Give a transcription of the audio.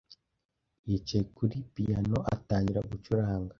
Yicaye kuri piyano atangira gucuranga.